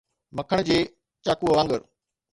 مکڻ جي چاقو وانگر.